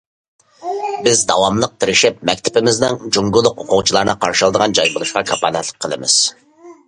بىز داۋاملىق تىرىشىپ، مەكتىپىمىزنىڭ جۇڭگولۇق ئوقۇغۇچىلارنى قارشى ئالىدىغان جاي بولۇشىغا كاپالەتلىك قىلىمىز.